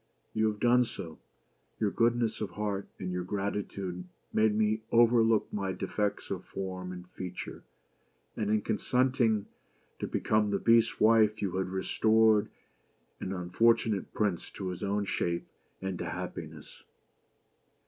You have done so; your goodness of heart, and your gratitude, made you overlook my defects of form and feature ; and in consenting to become the Beast's wife, you have restored an unfortunate prince to his own shape, and to happiness."